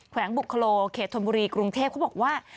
วงบุคโลเขตธนบุรีกรุงเทพเขาบอกว่า